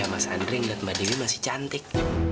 ya mas andre ngeliat mbak dewi masih cantik